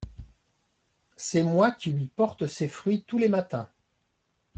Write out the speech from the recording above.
C'est moi qui lui porte ses fruits, tous les matins.